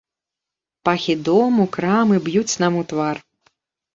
Пахі дому, крамы б'юць нам у твар.